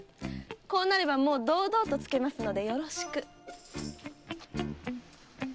こうなれば堂々とつけますのでよろしく。